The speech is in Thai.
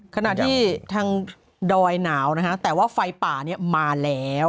ขณะที่ทางดอยหนาวนะฮะแต่ว่าไฟป่าเนี่ยมาแล้ว